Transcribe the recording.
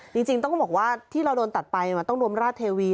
จริงต้องบอกว่าที่เราโดนตัดไปมันต้องรวมราชเทวี